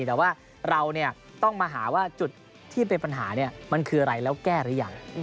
แต่ว่าเราต้องมาหาว่าจุดที่เป็นปัญหามันคืออะไรแล้วแก้หรือยัง